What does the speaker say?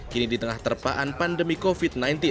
kini di tengah terpaan pandemi covid sembilan belas